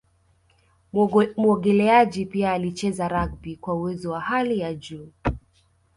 muogeleaji pia alicheza rugby kwa uwezo wa hali ya juu